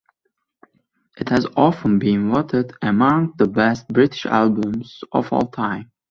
It has often been voted among the best British albums of all time.